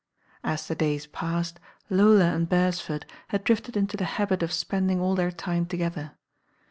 As the days passed, Lola and Beresford had drifted into the habit of spending all their time together.